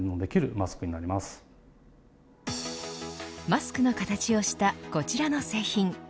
マスクの形をしたこちらの製品。